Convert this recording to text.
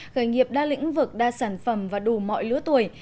khởi nghiệp đa lĩnh vực đa sản phẩm và đủ mọi lứa tuổi